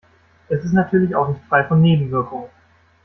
Es ist natürlich auch nicht frei von Nebenwirkungen.